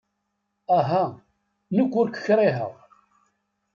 Aha, nekk ur k-kṛiheɣ.